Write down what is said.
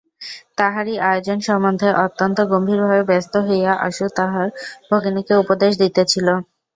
তাহারই আয়োজন সম্বন্ধে অত্যন্ত গম্ভীরভাবে ব্যস্ত হইয়া আশু তাহার ভগিনীকে উপদেশ দিতেছিল।